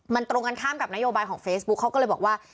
มันตรงกันข้ามกับนโยบายของเฟซบุ๊คเขาก็เลยบอกว่า